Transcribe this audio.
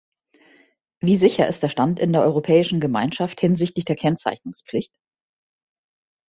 Wie sicher ist der Stand in der Europäischen Gemeinschaft hinsichtlich der Kennzeichnungspflicht?